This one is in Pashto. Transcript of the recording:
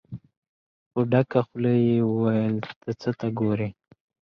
په ډکه خوله يې وويل: څه ته ګورئ؟